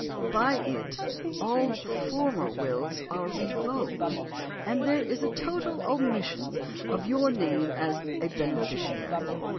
By it all former wills are revoked, and there is a total omission of your name as a beneficiary.